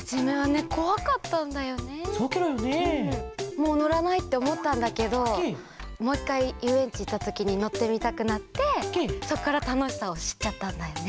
もうのらないっておもったんだけどもういっかいゆうえんちいったときにのってみたくなってそこからたのしさをしっちゃったんだよね。